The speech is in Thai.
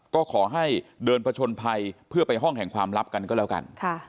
ก็ขอให้เดินผชนภัยเพื่อไปห้องแห่งความลับกันก็แล้วกัน